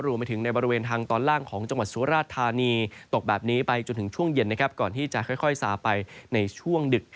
รวมไปถึงในบริเวณทางตอนล่างของจังหวัดสุราชธานีตกแบบนี้ไปจนถึงช่วงเย็นนะครับก่อนที่จะค่อยสาไปในช่วงดึก